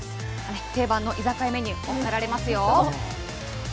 定番の居酒屋メニュー、食べられますよ。